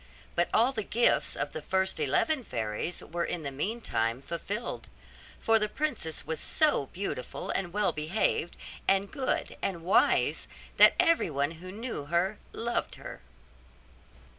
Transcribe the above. But all the gifts of the first eleven fairies were in the meantime fulfilled; for the princess was so beautiful, and well behaved, and good, and wise, that everyone who knew her loved her.